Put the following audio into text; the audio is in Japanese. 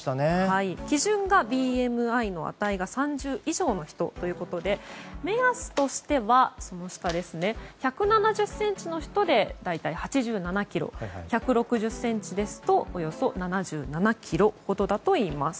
基準がＢＭＩの値が３０以上の人ということで目安としては１７０ｃｍの人で大体８７ｋｇ１６０ｃｍですとおよそ７７ｋｇほどだといいます。